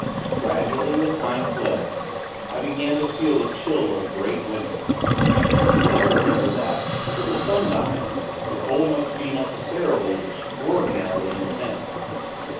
Gradually, as time fled, I began to feel the chill of a great winter. Then, I remembered that, with the sun dying, the cold must be, necessarily, extraordinarily intense.